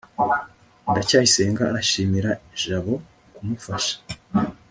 ndacyayisenga arashimira jabo kumufasha